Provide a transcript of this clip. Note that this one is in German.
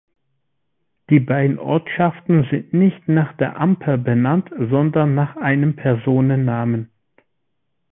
Die beiden Ortschaften sind nicht nach der Amper benannt, sondern nach einem Personennamen.